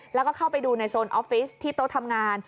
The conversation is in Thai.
แล้วก็เข้าไปดูในโซนออฟฟิศที่โต๊ะทำงาน